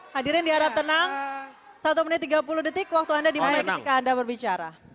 hadirin di harap tenang satu menit tiga puluh detik waktu anda dimulai ketika anda berbicara